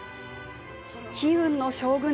悲運の将軍。